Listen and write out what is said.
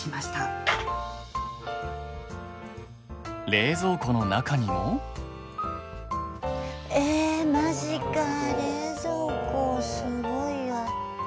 冷蔵庫の中にも？えまじか冷蔵庫すごいわ。